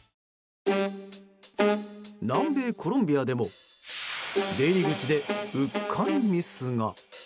南米コロンビアでも出入り口でうっかりミスが。